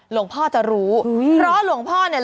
หลวงพ่อจะรู้เพราะหลวงพ่อเนี่ย